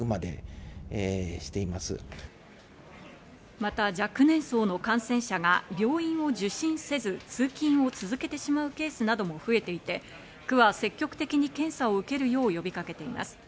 また若年層の感染者が病院を受診せず、通勤を続けてしまうケースなども増えていて、区は積極的に検査を受けるよう呼びかけています。